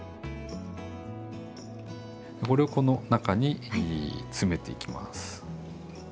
これをこの中に詰めていきます。